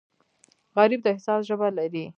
غریب د احساس ژبه لري